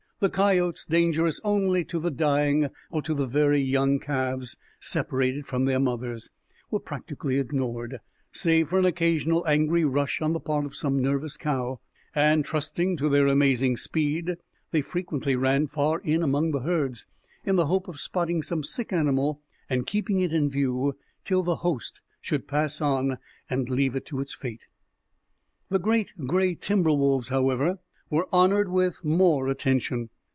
The coyotes, dangerous only to the dying or to very young calves separated from their mothers, were practically ignored, save for an occasional angry rush on the part of some nervous cow; and, trusting to their amazing speed, they frequently ran far in among the herds, in the hope of spotting some sick animal and keeping it in view till the host should pass on and leave it to its fate. The great gray timber wolves, however, were honored with more attention.